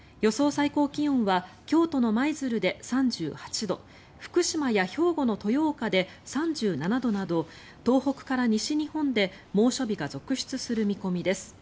最高気温は京都の舞鶴で３８度福島や兵庫の豊岡で３７度など東北から西日本で猛暑日が続出する見込みです。